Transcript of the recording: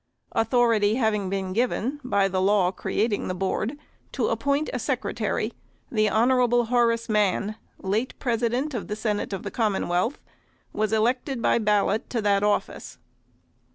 Authority hav ing been given, by the law creating the Board, to appoint a Secretary, the Honorable Horace Mann, late President of the Senate of the Commonwealth, was elected by bal lot to that office.